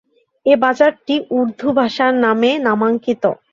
এই বাজারটি উর্দু ভাষার নামে নামাঙ্কিত।